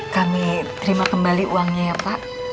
kami terima kembali uangnya ya pak